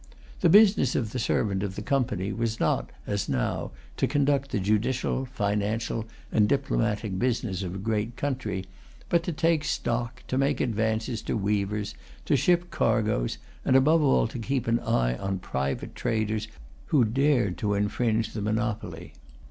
The business of the servant of the Company was not, as now, to conduct the judicial, financial, and diplomatic business of a great country, but to take stock, to make advances to weavers, to ship cargoes, and above all to keep an eye on private traders who dared to infringe the monopoly.